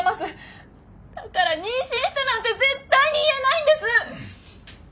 だから妊娠したなんて絶対に言えないんです！